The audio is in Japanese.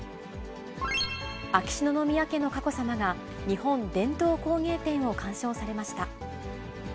秋篠宮家の佳子さまが、日本伝統工芸展を鑑賞されました。